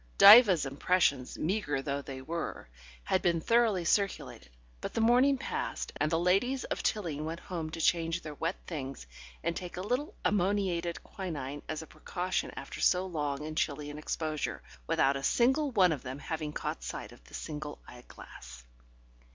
Diva's impressions, meagre though they were, had been thoroughly circulated, but the morning passed, and the ladies of Tilling went home to change their wet things and take a little ammoniated quinine as a precaution after so long and chilly an exposure, without a single one of them having caught sight of the single eyeglass.